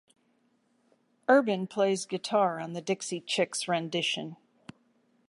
Urban plays guitar on the Dixie Chicks' rendition.